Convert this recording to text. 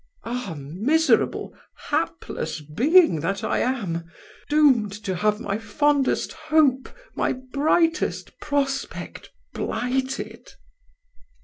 Ah! miserable, hapless being that I am! doomed to have my fondest hope, my brightest prospect, blighted."